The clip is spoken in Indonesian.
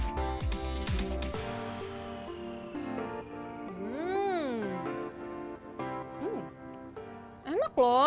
hai enak loh